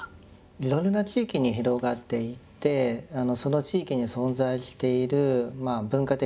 いろいろな地域に広がっていってその地域に存在している文化的な伝統とかですね